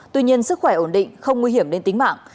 tuy nhiên sức khỏe ổn định không nguy hiểm đến tính mạng